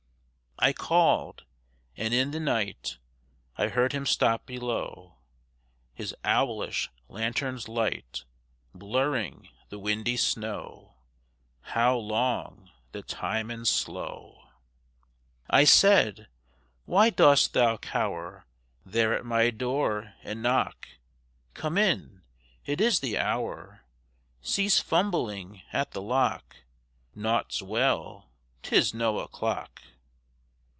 I called. And in the night I heard him stop below, His owlish lanthorn's light Blurring the windy snow How long the time and slow! I said, _Why dost thou cower There at my door and knock? Come in! It is the hour! Cease fumbling at the lock! Naught's well! 'Tis no o'clock!